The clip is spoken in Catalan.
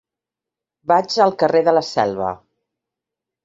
Vaig al carrer de la Selva.